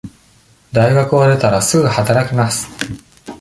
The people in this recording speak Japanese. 大学を出たら、すぐ働きます。